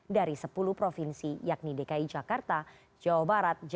dari sepuluh provinsi yakni dki jakarta jawa barat